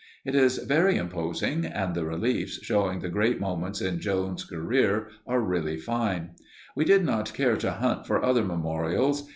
It is very imposing, and the reliefs, showing the great moments in Joan's career, are really fine. We did not care to hunt for other memorials.